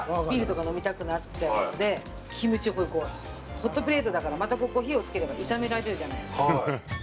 ホットプレートだからまた、ここ火をつければ炒められるじゃないですか。